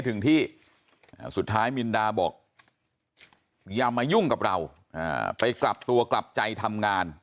ถึงที่สุดท้ายมินดาบอกอย่ามายุ่งกับเราไปกลับตัวกลับใจทำงาน